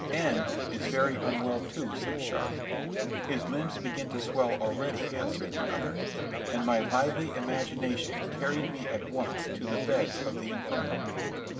"N is very unwell too," said Charlotte. "His limbs begin to swell already," answered the other; and my lively imagination carried me at once to the beds of the infirm.